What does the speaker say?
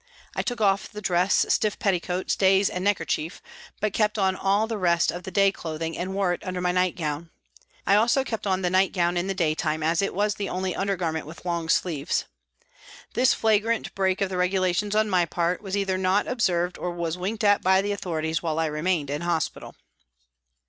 I took off the dress, stiff petticoat, stays and necker chief, but kept on all the rest of the day clothing and wore it under my night gown. I also kept on the night gown in the day time, as it was the only under garment with long sleeves. This flagrant break of the regulations on my part was either not observed or was winked at by the authorities while I remained in hospital.